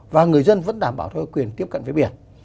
và người dân vẫn đảm bảo theo quyền tiếp cận với biển